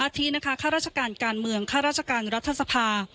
ที่นะคะข้าราชการการเมืองข้าราชการรัฐสภา